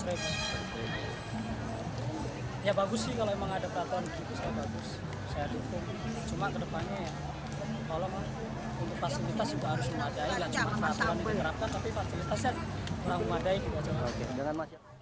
cuma kedepannya kalau untuk fasilitas juga harus mengadai tidak cuma peraturan yang diberapkan tapi fasilitasnya juga harus mengadai